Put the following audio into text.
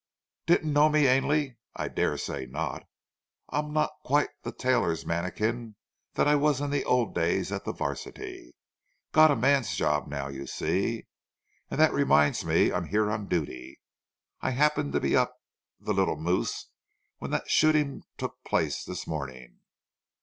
"Didn't know me, Ainley? I dare say not. I'm not quite the tailor's mannikin that I was in the old days at the 'Varsity. Got a man's job now, you see. And that reminds me, I'm here on duty. I happened to be up the Little Moose when that shooting took place this morning.